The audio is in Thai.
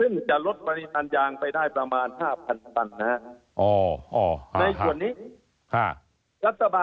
คุณจะลดบริษัทยางไปได้ประมาณ๕๐๐๐จันทิสัยนะ